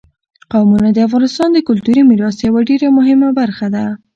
قومونه د افغانستان د کلتوري میراث یوه ډېره مهمه برخه ده.